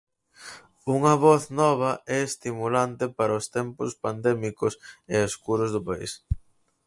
Unha voz nova e estimulante para os tempos pandémicos e escuros do país.